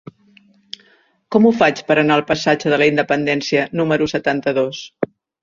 Com ho faig per anar al passatge de la Independència número setanta-dos?